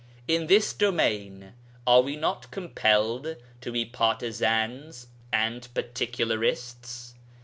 In this domain are we not compelled to be partisans and particularists?